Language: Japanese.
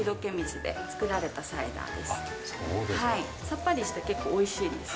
さっぱりして結構美味しいです。